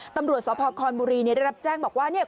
ตำรวจสพคอนบุรีได้รับแจ้งบอกว่าเนี่ย